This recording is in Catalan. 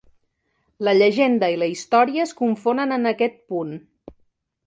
La llegenda i la història es confonen en aquest punt.